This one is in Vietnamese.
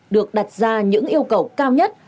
được đặt ra những yêu cầu cao nhất